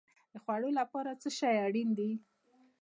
د خوړو لپاره څه شی اړین دی؟